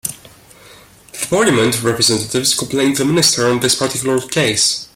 The Parliament representatives complained to the minister on this particular case.